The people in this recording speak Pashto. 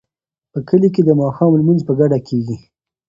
په کلي کې د ماښام لمونځ په ګډه کیږي.